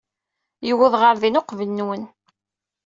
Yuweḍ ɣer din uqbel-nwen.